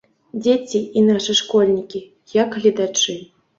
Дзеці, і нашы школьнікі, як гледачы.